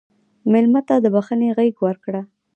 مېلمه ته د بښنې غېږ ورکړه.